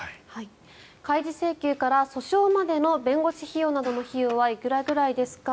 開示請求から訴訟までの弁護士費用などの費用はいくらぐらいですか？